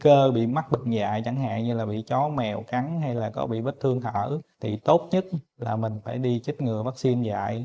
cơ bị mắc bệnh dạy chẳng hạn như là bị chó mèo cắn hay là có bị vết thương thở thì tốt nhất là mình phải đi chích ngừa vaccine dạy